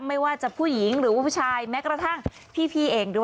ไม่ว่าจะผู้หญิงหรือว่าผู้ชายแม้กระทั่งพี่เองด้วย